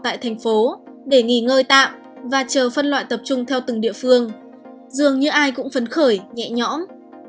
tại thành phố để nghỉ ngơi tạm và chờ phân loại tập trung theo từng địa phương dường như ai cũng phấn khởi nhẹ nhõm